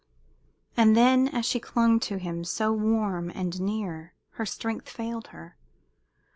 And then as she clung to him, so warm and near, her strength failed her.